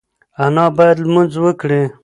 انا باید لمونځ وکړي.